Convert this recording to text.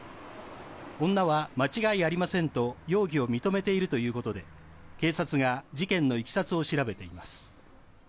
女は間違いありませんと容疑を認めているということで警察が事件のいきさつを調べています。